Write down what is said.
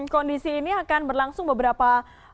kondisi ini akan berlangsung beberapa